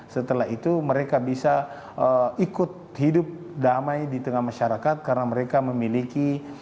setelah itu mereka bisa ikut hidup damai di tengah masyarakat karena mereka memiliki